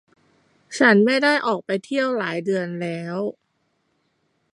ฉันไม่ได้ออกไปเที่ยวหลายเดือนแล้ว